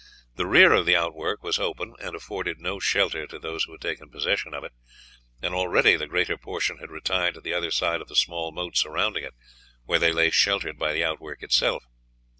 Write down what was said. The rear of the outwork was open and afforded no shelter to those who had taken possession of it, and already the greater portion had retired to the other side of the small moat surrounding it, where they lay sheltered by the outwork itself.